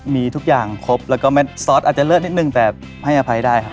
มีทุกอย่างครบแล้วก็ซอสอาจจะเลอะนิดนึงแต่ให้อภัยได้ครับ